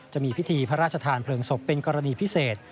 จะมีพิธีพระราชทานเพลิงศพเป็นกรณีพิเศษ